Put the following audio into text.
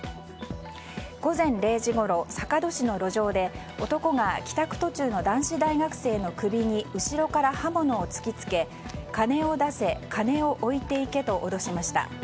午前０時ごろ、坂戸市の路上で男が帰宅途中の男子大学生の首に後ろから刃物を突き付け、金を出せ金を置いていけと脅しました。